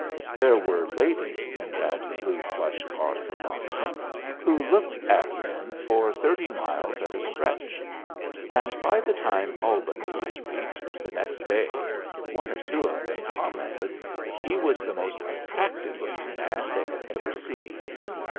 There were ladies in that blue plush car for Boston who looked at Lin for thirty miles at a stretch; and by the time Albany was reached the next day one or two of them commented that he was the most attractive looking man they had ever seen!